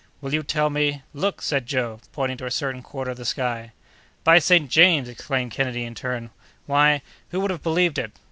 "Will you tell me?—" "Look!" said Joe, pointing to a certain quarter of the sky. "By St. James!" exclaimed Kennedy, in turn, "why, who would have believed it?